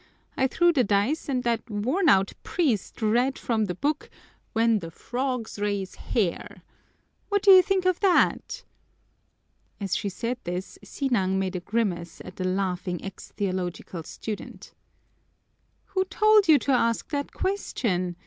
I threw the dice and that worn out priest read from the book, 'When the frogs raise hair.' What do you think of that?" As she said this, Sinang made a grimace at the laughing ex theological student. "Who told you to ask that question?"